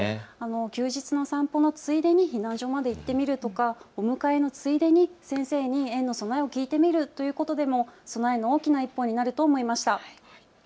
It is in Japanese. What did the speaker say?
休日の散歩のついでに避難所まで行ってみるとかお迎えのついでに先生に園の備えを聞いてみるということでも備えの大きな一歩になると思いました。